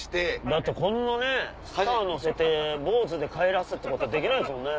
だってこんなねスター乗せてボウズで帰らすってことできないですもんね。